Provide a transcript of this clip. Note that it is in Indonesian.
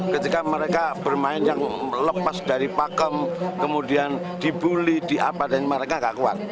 ketika mereka bermain yang lepas dari pakem kemudian dibully diapa dan mereka gak kuat